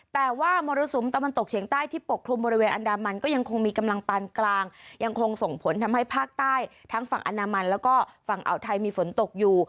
แต่ว่ามรสุมตะวันตกเฉียงใต้ที่ปกคลุมบริเวณอันดามันก็ยังคงมีกำลังปานกลางยังคงส่งผลทำให้ภาคใต้ทั้งฝั่งอนามันแล้วก็ฝั่งอ่าวไทยมีฝนตกอยู่